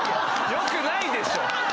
良くないでしょ！